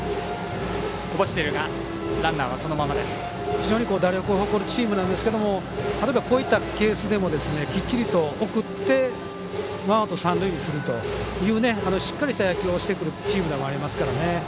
非常に打力のあるチームなんですけど例えば、こういったケースでもきっちりと送ってノーアウト、三塁にするというしっかりした野球をしてくるチームでもありますからね。